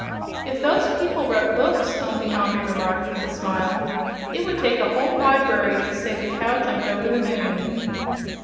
"If those people wrote books," Omby Amby remarked with a smile, "it would take a whole library to say the cow jumped over the moon."